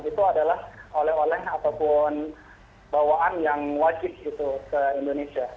itu adalah oleh oleh ataupun bawaan yang wajib gitu ke indonesia